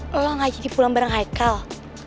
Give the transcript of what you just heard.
lo gak jadi pulang bareng michael